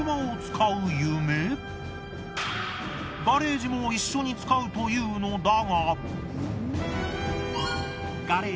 ガレージも一緒に使うというのだが。